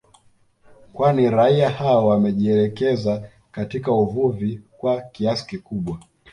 Kwani raia hao wamejielekeza katika uvuvi kwa kiasi kikubwa